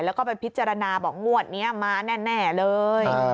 แล้วก็ไปพิจารณาบอกงวดนี้มาแน่เลย